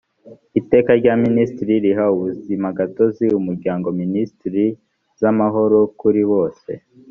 iteka rya minisitiri riha ubuzimagatozi umuryango minisiteri z amahoro kuri bose